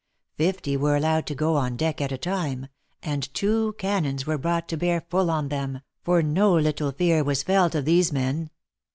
Fifty were allowed to go on deck at a time, and two cannons were brought to bear full on them, for no little fear was felt of these men.